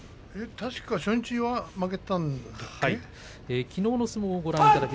確か初日は負けたんだっけ？